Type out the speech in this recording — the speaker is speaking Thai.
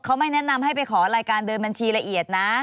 เขาไม่แนะนำให้ไปขอรายการเดินบัญชีละเอียดนะ